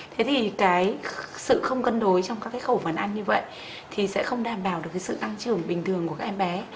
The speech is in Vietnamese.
thế thì cái sự không cân đối trong các cái khẩu phần ăn như vậy thì sẽ không đảm bảo được cái sự tăng trưởng bình thường của các em bé